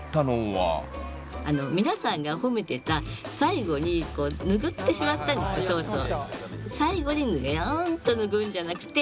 あの皆さんが褒めてた最後にぬぐってしまったんですねソースを。